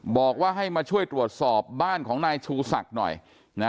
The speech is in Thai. บอกว่าให้มาช่วยตรวจสอบบ้านของนายชูศักดิ์หน่อยนะ